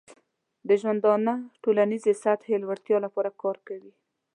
د ژوندانه ټولنیزې سطحې لوړتیا لپاره کار کوي.